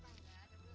baru juga diservis